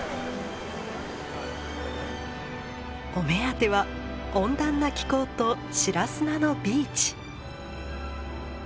お目当ては温暖な気候と白砂のビーチ。